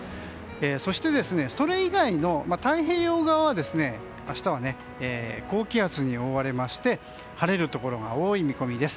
そして、それ以外の太平洋側は明日は高気圧に覆われまして晴れるところが多い見込みです。